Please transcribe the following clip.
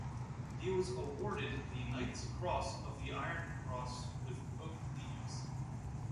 He was awarded the Knight's Cross of the Iron Cross with Oak Leaves.